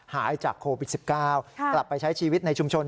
หายจากโควิด๑๙กลับไปใช้ชีวิตในชุมชน